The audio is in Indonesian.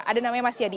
ada namanya mas yadi